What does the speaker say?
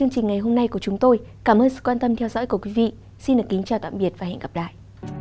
cảm ơn các bạn đã theo dõi và hẹn gặp lại